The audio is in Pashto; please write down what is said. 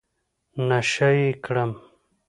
نشه يي کړم.